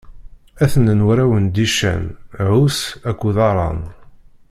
A-ten-an warraw n Dican: Ɛuṣ akked Aran.